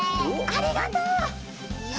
ありがとう！よし！